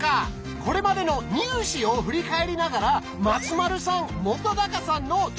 これまでの「ニュー試」を振り返りながら松丸さん本さんの頂上決戦！